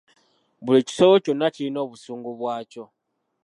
Buli kisolo kyonna kiyina obusungu bwakyo.